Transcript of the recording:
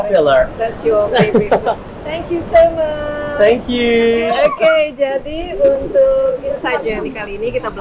karena kalau kita lihat dari ekonomi